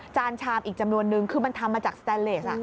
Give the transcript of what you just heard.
ชามอีกจำนวนนึงคือมันทำมาจากสแตนเลส